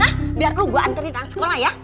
hah biar lo gue anterin ke sekolah ya